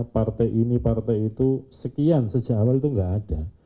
partai ini partai itu sekian sejak awal itu nggak ada